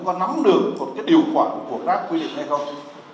có nắm được một cái điều khoản của grab quy định hay không